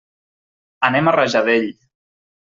Anem a Rajadell.